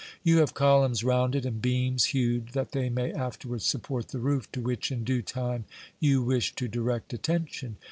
You have columns rounded and beams hewed that they may afterwards support the roof to which in due time you wish to direct attention.